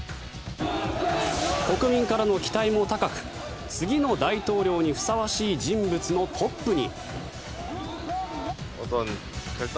国民からの期待も高く次の大統領にふさわしい人物のトップに。